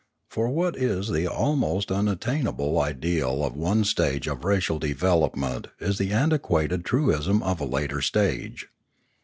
For what is the almost un attainable ideal of on€ stage of racial development is the antiquated truism of a later stage.